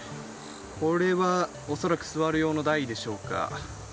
これは恐らく座る用の台でしょうか。